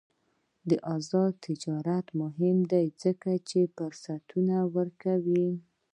آزاد تجارت مهم دی ځکه چې فرصتونه ورکوي.